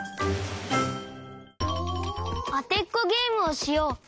あてっこゲームをしよう。